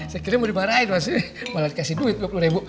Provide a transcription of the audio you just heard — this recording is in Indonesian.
saya kira mau dimarahin malah dikasih duit dua puluh ribu